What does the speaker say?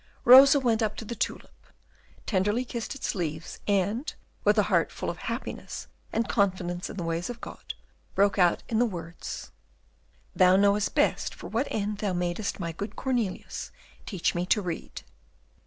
Rosa went up to the tulip, tenderly kissed its leaves and, with a heart full of happiness and confidence in the ways of God, broke out in the words, "Thou knowest best for what end Thou madest my good Cornelius teach me to read."